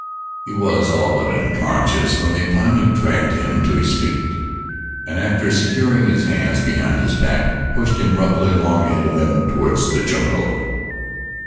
He was all but unconscious when they finally dragged him to his feet, and after securing his hands behind his back, pushed him roughly along ahead of them toward the jungle.